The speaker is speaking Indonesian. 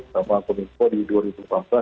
sama komitmen podi dua ribu delapan belas